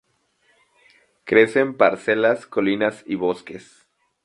Crece en parcelas, colinas y bosques.